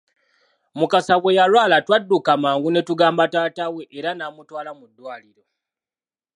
Mukasa bwe yalwala twadduka mangu ne tugamba taata we era n'amutwala mu ddwaliro.